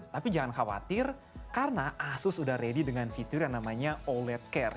tapi jangan khawatir karena asus sudah ready dengan fitur yang namanya oled care